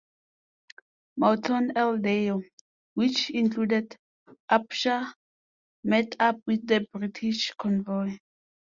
Morton L. Deyo, which included "Upshur", met up with the British convoy.